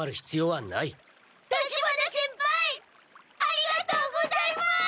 ありがとうございます！